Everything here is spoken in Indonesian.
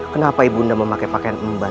kenapa ibu munda memakai pakaian embal